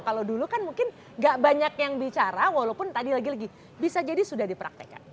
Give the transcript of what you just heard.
kalau dulu kan mungkin gak banyak yang bicara walaupun tadi lagi lagi bisa jadi sudah dipraktekkan